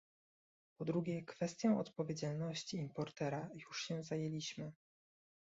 Po drugie, kwestią odpowiedzialności importera już się zajęliśmy